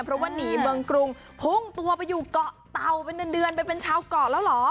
เพราะว่าหนีเมืองกรุงพุ่งตัวไปอยู่เกาะเตาเป็นเดือนไปเป็นชาวเกาะแล้วเหรอ